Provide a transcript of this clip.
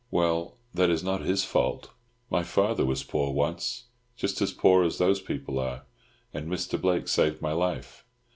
Well, that is not his fault. My father was poor once, just as poor as those people are. And Mr. Blake saved my life."